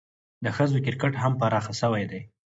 د ښځو کرکټ هم پراخه سوی دئ.